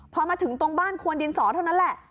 พอมาถึงตรงบ้านควนดินสอเท่านั้นแหละ